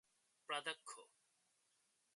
প্রাধ্যক্ষ